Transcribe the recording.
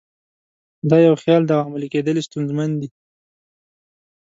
خو دا یو خیال دی او عملي کېدل یې ستونزمن دي.